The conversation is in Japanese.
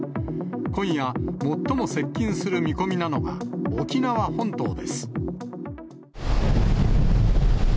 今夜、最も接近する見込みなのが沖縄本島です。